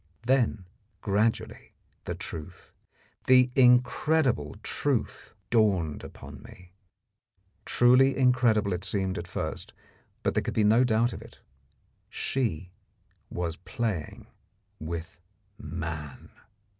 Then gradually the truth, the incredible truth, dawned upon me. Truly incredible it seemed at first, but there could be no doubt of it. _She was playing with man.